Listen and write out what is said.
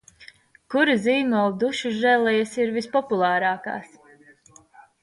Kura zīmola dušas želejas ir vispopulārākās?